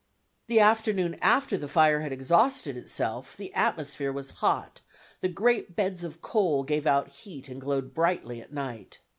The afternoon after the fire had exhausted itself, the atmosphere was hot, the great beds of coals gave out heat and glowed brightly at night.